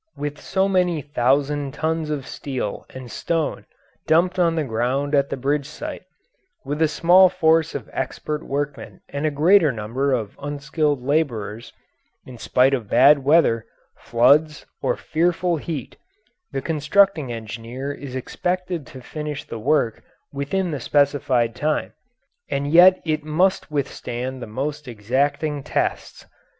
With so many thousand tons of steel and stone dumped on the ground at the bridge site, with a small force of expert workmen and a greater number of unskilled labourers, in spite of bad weather, floods, or fearful heat, the constructing engineer is expected to finish the work within the specified time, and yet it must withstand the most exacting tests.